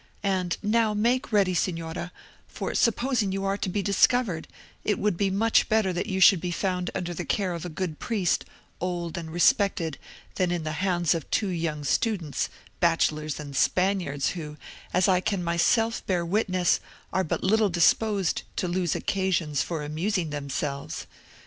And, now make ready, Signora; for supposing you are to be discovered, it would be much better that you should be found under the care of a good priest, old and respected, than in the hands of two young students, bachelors and Spaniards, who, as I can myself bear witness, are but little disposed to lose occasions for amusing themselves.